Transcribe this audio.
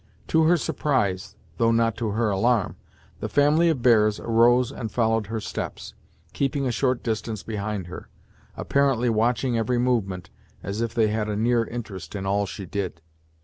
To her surprise, though not to her alarm, the family of bears arose and followed her steps, keeping a short distance behind her; apparently watching every movement as if they had a near interest in all she did.